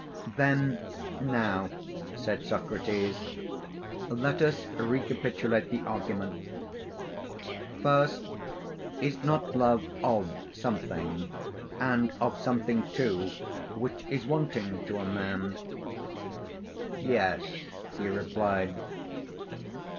Then now, said Socrates, let us recapitulate the argument. First, is not love of something, and of something too which is wanting to a man? Yes, he replied.